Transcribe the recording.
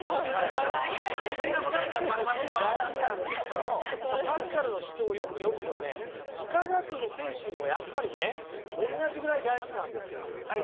繊細の精神すごく大事なんですけどパスカルの主張をよく読むとね幾何学の精神もやっぱりねおんなじぐらい大事なんですよ。